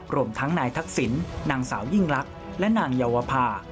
รวมทั้งนายทักษิณนางสาวยิ่งลักษณ์และนางเยาวภา